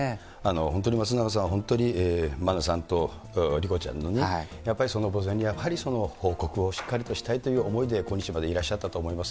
本当に松永さんは本当に真菜さんと莉子ちゃんの、やっぱり墓前に報告をしっかりとしたいという思いで思いで今日までいらっしゃったと思います。